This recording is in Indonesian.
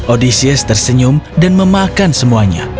odysius tersenyum dan memakan semuanya